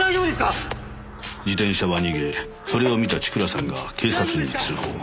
自転車は逃げそれを見た千倉さんが警察に通報。